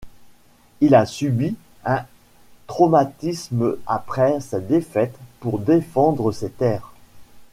Il a subi un traumatisme après sa défaite pour défendre ses terres.